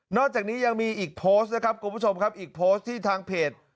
อกจากนี้ยังมีอีกโพสต์นะครับคุณผู้ชมครับอีกโพสต์ที่ทางเพจ